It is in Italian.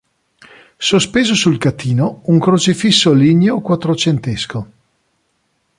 Sospeso sul catino, un crocefisso ligneo quattrocentesco.